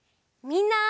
みんな！